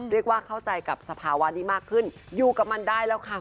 เรียกว่าเข้าใจกับสภาวะนี้มากขึ้นอยู่กับมันได้แล้วค่ะ